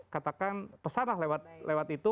katakan pesan lah lewat itu